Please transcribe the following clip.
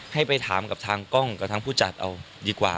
ให้ไปถามกับทางกล้องกับทางผู้จัดเอาดีกว่า